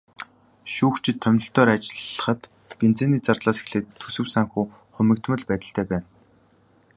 Шүүгчид томилолтоор ажиллахад бензиний зардлаас эхлээд төсөв санхүү хумигдмал байдалтай байна.